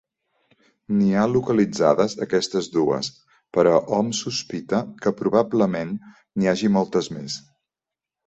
N'hi ha localitzades aquestes dues, però hom sospita que, probablement, n'hi hagi moltes més.